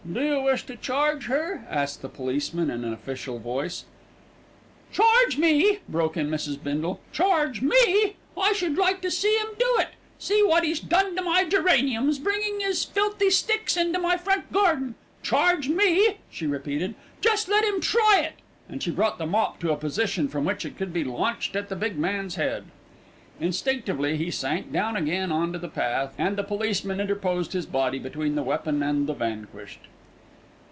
"Do you wish to charge her?" asked the policeman in an official voice. "'Charge me!'" broke in Mrs. Bindle. "'Charge me!' I should like to see 'im do it. See what 'e's done to my geraniums, bringing his filthy sticks into my front garden. 'Charge me!'" she repeated. "Just let him try it!" and she brought the mop to a position from which it could be launched at the big man's head. Instinctively he sank down again on to the path, and the policeman interposed his body between the weapon and the vanquished.